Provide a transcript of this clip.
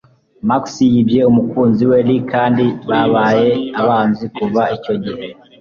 Max yibye umukunzi wa Lee kandi babaye abanzi kuva icyo gihe